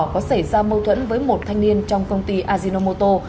có xảy ra mâu thuẫn với một thanh niên trong công ty azinomoto